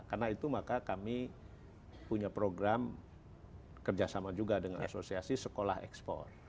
karena itu maka kami punya program kerjasama juga dengan asosiasi sekolah ekspor